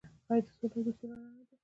آیا د سولې او دوستۍ رڼا نه ده؟